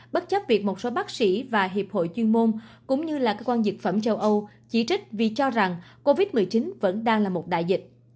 bất chấp việc một số bác sĩ và hiệp hội chuyên môn cũng như là cơ quan dược phẩm châu âu chỉ trích vì cho rằng covid một mươi chín vẫn đang là một đại dịch